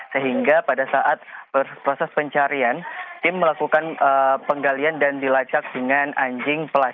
sehingga pada saat proses pencarian tim melakukan penggalian dan dilacak dengan anjing pelan